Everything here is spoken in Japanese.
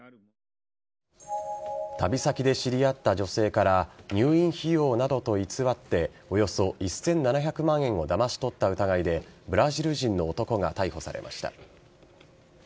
旅先で知り合った女性から入院費用などと偽っておよそ１７００万円をだまし取った疑いでブラジル人の男が逮捕されました。